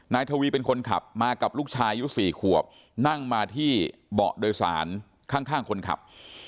ทวีเป็นคนขับมากับลูกชายอายุ๔ขวบนั่งมาที่เบาะโดยสารข้างคนขับ